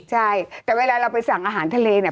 ใช่แต่เวลาเราไปสั่งอาหารทะเลเนี่ย